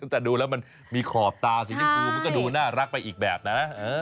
แต่ดูแล้วมันมีขอบตาสีชมพูมันก็ดูน่ารักไปอีกแบบนะ